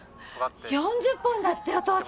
４０本だってお父さん！